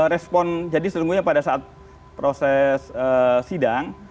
respon jadi sesungguhnya pada saat proses sidang